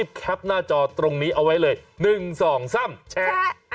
แคปหน้าจอตรงนี้เอาไว้เลย๑๒๓แชร์